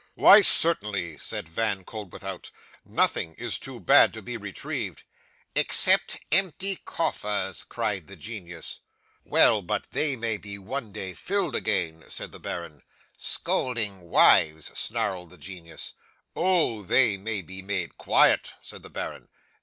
'"Why, certainly," said Von Koeldwethout, "nothing is too bad to be retrieved." '"Except empty coffers," cried the genius. '"Well; but they may be one day filled again," said the baron. '"Scolding wives," snarled the genius. '"Oh! They may be made quiet," said the baron.